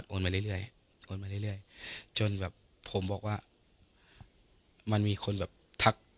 โอนไปเรื่อยเรื่อยจนโอนมาเรื่อยว่ามันมีคนแบบถัก